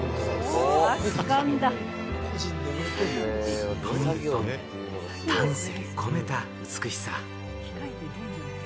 一本一本、丹精込めた美しさ。